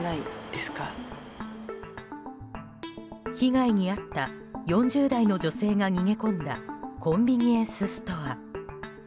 被害に遭った４０代の女性が逃げ込んだコンビニエンスストア。